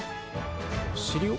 おしりを？